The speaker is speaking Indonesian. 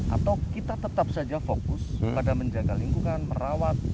atau kita tetap saja fokus pada menjaga lingkungan merawat